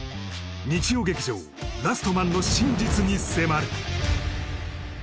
日曜劇場「ラストマン」の真実に迫る